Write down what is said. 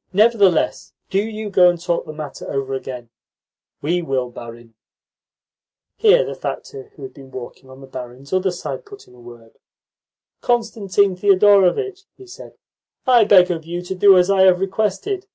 '" "Nevertheless, do you go and talk the matter over again." "We will, barin." Here the factor who had been walking on the barin's other side put in a word. "Constantine Thedorovitch," he said, "I beg of you to do as I have requested."